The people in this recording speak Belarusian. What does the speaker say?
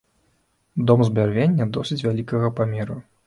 Дом з бярвення досыць вялікага памеру.